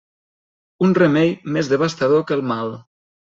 Un remei més devastador que el mal.